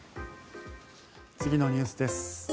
次のニュースです。